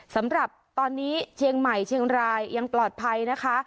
สำหรับตอนนี้เชียงใหม่เชียงรายยังปลอดภัยนะคะ